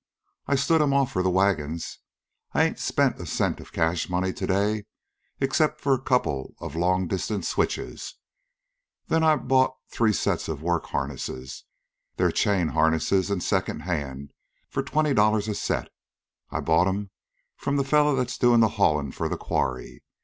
I stood 'm off for them wagons. I ain't spent a cent of cash money to day except for a couple of long distance switches. Then I bought three sets of work harness they're chain harness an' second hand for twenty dollars a set. I bought 'm from the fellow that's doin' the haulin' for the quarry.